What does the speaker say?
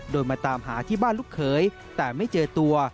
โดยมาตามหาที่บ้านลูกเขยแต่ไม่เจอตัว